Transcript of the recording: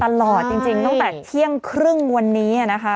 ตลอดจริงตั้งแต่เที่ยงครึ่งวันนี้นะคะ